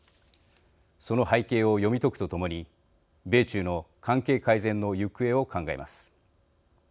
その背景を読み解くとともに米中の関係改善の行方を考えます。